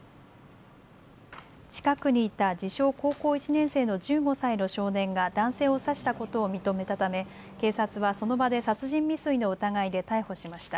近くにいた自称、高校１年生の１５歳の少年が男性を刺したことを認めたため警察はその場で殺人未遂の疑いで逮捕しました。